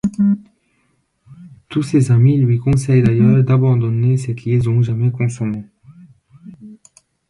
Tous ses amis lui conseillent d'ailleurs d'abandonner cette liaison jamais consommée.